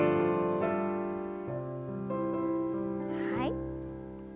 はい。